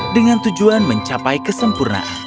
dengan tujuan mencapai kesempurnaan